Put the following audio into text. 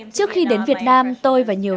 trước khi đến việt nam tôi và nhiều